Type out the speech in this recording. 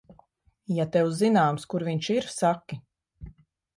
Ja tev zināms, kur viņš ir, saki.